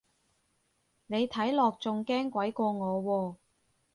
你睇落仲驚鬼過我喎